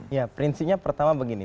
ya prinsipnya pertama begini